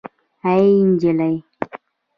اي نجلۍ